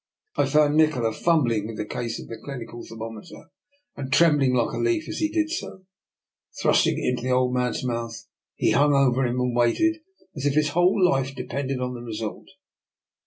I found Nikola fumbling with the case of the clinical thermometer, and trembling like a leaf as he did so. Thrusting it into the old man's mouth, he hung over him and waited as if his whole life depended on the result.